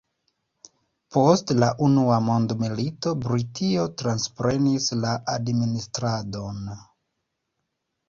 Post la unua mondmilito Britio transprenis la administradon.